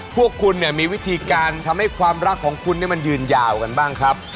พวกคุณเนี่ยมีวิธีการทำให้ความรักของคุณมันยืนยาวกันบ้างครับ